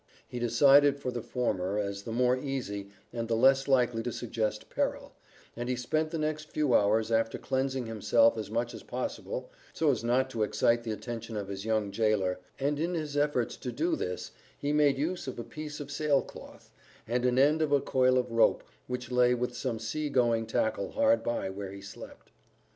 He decided for the former as the more easy and the less likely to suggest peril, and he spent the next few hours after cleansing himself as much as possible, so as not to excite the attention of his young gaoler, and in his efforts to do this he made use of a piece of sailcloth, and an end of a coil of rope which lay with some sea going tackle hard by where he slept.